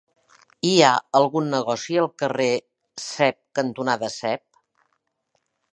Hi ha algun negoci al carrer Cep cantonada Cep?